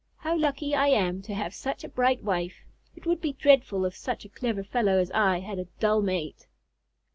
How lucky I am to have such a bright wife! It would be dreadful if such a clever fellow as I had a dull mate!"